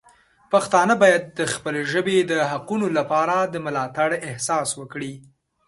پښتانه باید د خپلې ژبې د حقونو لپاره د ملاتړ احساس وکړي.